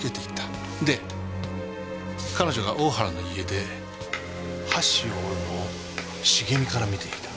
で彼女が大原の家で箸を折るのを茂みから見ていた。